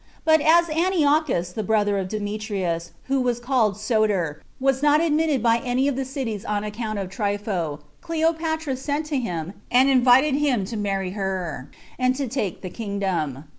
But as Antiochus, the brother of Demetrius who was called Soter, was not admitted by any of the cities on account of Trypho, Cleopatra sent to him, and invited him to marry her, and to take the kingdom.